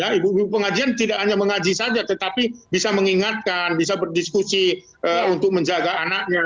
ya ibu ibu pengajian tidak hanya mengaji saja tetapi bisa mengingatkan bisa berdiskusi untuk menjaga anaknya